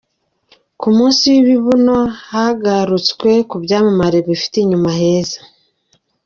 Ku munsi w’ibibuno hagarutswe ku byamamare bifite inyuma heza